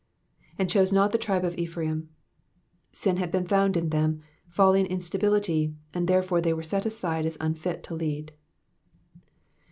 ^^And chose not the tribe of Epkraim.''^ Sin had been found in them, folly ana instability, and therefore they were set aside as unfit to lead.